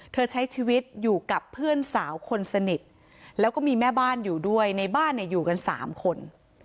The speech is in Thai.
ใช้ชีวิตอยู่กับเพื่อนสาวคนสนิทแล้วก็มีแม่บ้านอยู่ด้วยในบ้านเนี่ยอยู่กัน๓คน